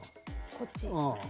こっち？